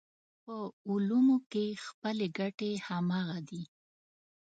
په علومو کې خپلې ګټې همغه دي.